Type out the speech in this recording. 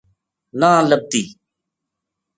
نہ لبھتی